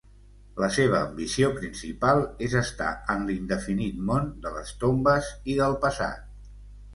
La seva ambició principal és estar en l'indefinit món de les tombes i del passat.